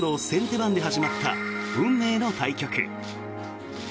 番で始まった運命の対局。